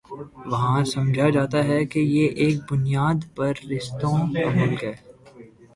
وہاں سمجھا جاتا ہے کہ یہ ایک بنیاد پرستوں کا ملک ہے۔